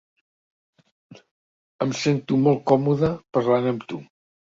Em sento molt còmode parlant amb tu.